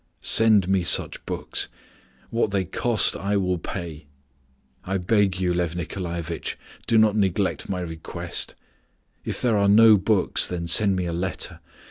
Send me such books. What they cost, I will pay. I beg you, Lyof Nikolaevitch, do not neglect my request. If there are no books then send me a letter.